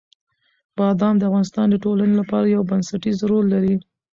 بادام د افغانستان د ټولنې لپاره یو بنسټيز رول لري.